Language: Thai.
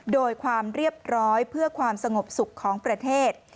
โดยความเรียบร้อยเพื่อความสงบสุขของประเทศ